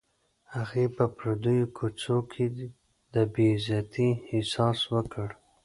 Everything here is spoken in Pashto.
هغې په پردیو کوڅو کې د بې عزتۍ احساس وکړ